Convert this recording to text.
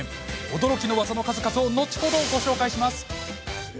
驚きの技の数々を後ほどご紹介します。